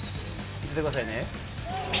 見てくださいね。